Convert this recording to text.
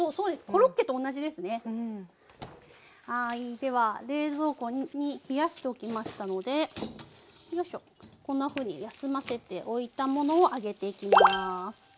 では冷蔵庫に冷やしておきましたのでこんなふうに休ませておいたものを揚げていきます。